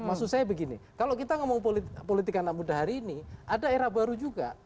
maksud saya begini kalau kita ngomong politik anak muda hari ini ada era baru juga